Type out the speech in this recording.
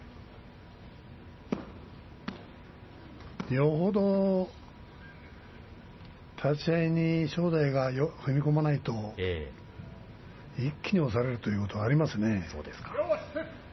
よほど立ち合いに正代が追い込まないと一気に押されるということはありますね。